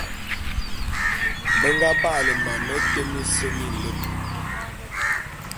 Be nga ba'ale mam mete mese minlem.